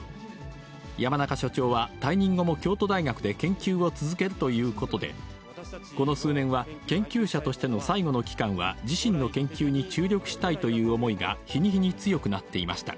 山中所長は退任後も京都大学で研究を続けるということで、この数年は、研究者としての最後の期間は自身の研究に注力したいという思いが日に日に強くなっていました。